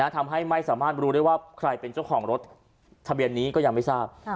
ทำให้ไม่สามารถรู้ได้ว่าใครเป็นเจ้าของรถทะเบียนนี้ก็ยังไม่ทราบ